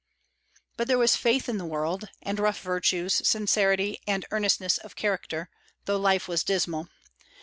But there was faith in the world, and rough virtues, sincerity, and earnestness of character, though life was dismal.